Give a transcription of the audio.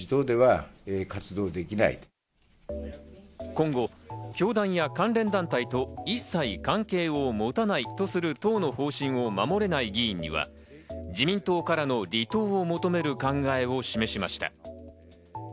今後、教団や関連団体と一切関係を持たないとする党の方針を守れない議員には、自民党からの離党を求める考えを示しました。